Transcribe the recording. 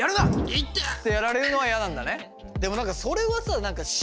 いてっ！ってやられるのはやなんだね。